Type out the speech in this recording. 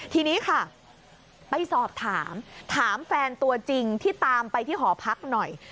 ทีนี้ค่ะไปสอบถามถามแฟนตัวจริงที่ตามไปที่หอพักหน่อย